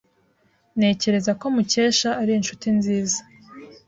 Ntekereza ko Mukesha ari inshuti nziza.